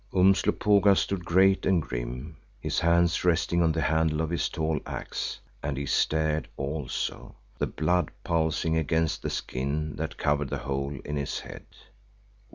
Umslopogaas stood great and grim, his hands resting on the handle of his tall axe; and he stared also, the blood pulsing against the skin that covered the hole in his head.